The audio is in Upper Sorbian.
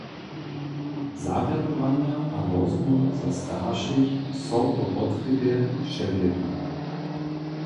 Zarjadowanja a rozmołwy za staršich so po potrjebje přewjedu.